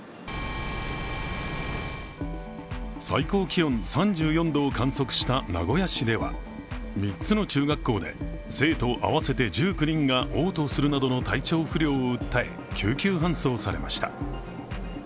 最高気温３４度を観測した名古屋市では３つの中学校で生徒合わせて１９人がおう吐するなどの体調不良を訴え救急搬送されました。